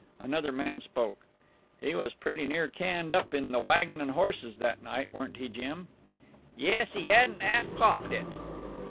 Another man spoke. "He was pretty near canned up in the Waggon and Horses that night, weren't he, Jim?" "Yes, 'e 'adn't 'alf copped it...."